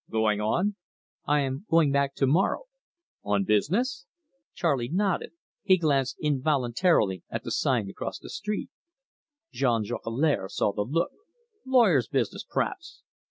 "Going on?" "I am going back to morrow." "On business?" Charley nodded he glanced involuntarily at the sign across the street. Jean Jolicoeur saw the look. "Lawyer's business, p'r'aps?"